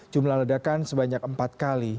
jumlah ledakan sebanyak empat kali